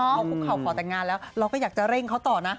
พอคุกเข่าขอแต่งงานแล้วเราก็อยากจะเร่งเขาต่อนะ